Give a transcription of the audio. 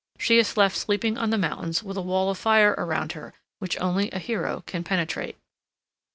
She is left sleeping on the mountains with a wall of fire around her which only a hero can penetrate.